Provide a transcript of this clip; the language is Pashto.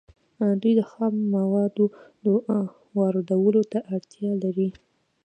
دوی د خامو موادو واردولو ته اړتیا لري